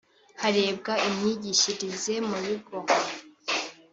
harebwa imyigishirize mu bigo